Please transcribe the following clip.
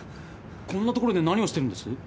こんな所で何をしてるんです？